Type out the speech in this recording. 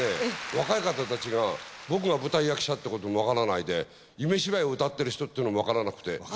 若い方たちが僕が舞台役者ってこともわからないで『夢芝居』を歌ってる人ってのもわからなくて。